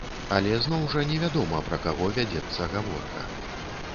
Але зноў жа невядома, пра каго вядзецца гаворка.